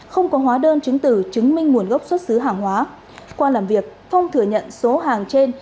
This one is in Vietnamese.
không có hóa đơn chứng tử chứng minh nguồn gốc xuất xứ hàng hóa qua làm việc phong thừa nhận số hàng trên